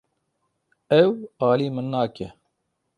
Ew alî min nake.